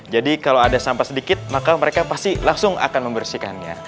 jadi kalau ada sampah sedikit maka mereka pasti langsung akan membersihkannya